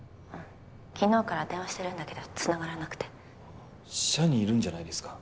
昨日から電話してるんだけどつながらなくて社にいるんじゃないですか？